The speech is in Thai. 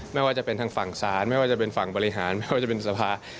ไม่ว่าจะเป็นทางฝั่งศาลไม่ว่าจะเป็นฝั่งบริหารไม่ว่าจะเป็นสภา